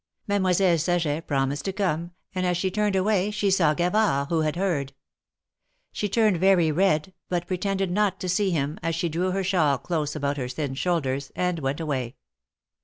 Mademoiselle Saget promised to come, and as she turned away, she saw Gavard, who had heard. She turned very red, but pretended not to see him, as she drew her shawl close about her thin shoulders, and went away.